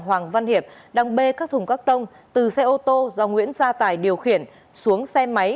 hoàng văn hiệp đang bê các thùng các tông từ xe ô tô do nguyễn gia tài điều khiển xuống xe máy